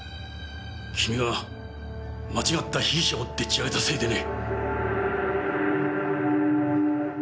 君が間違った被疑者をでっちあげたせいでね。